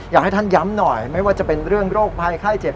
อยากให้ท่านย้ำหน่อยไม่ว่าจะเป็นเรื่องโรคภัยไข้เจ็บ